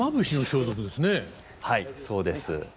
はいそうです。